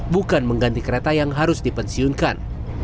bukan mengganti kereta yang harus dipensiunkan